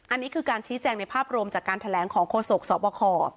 อันนี้คือการชี้แจงในภาพรวมจากการแถลงของโฆษกสบค